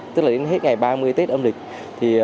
tức là đến hết ngày ba mươi tết âm lịch